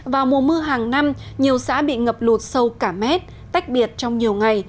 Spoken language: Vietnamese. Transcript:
vào mùa mưa hàng năm nhiều xã bị ngập lụt sâu cả mét tách biệt trong nhiều ngày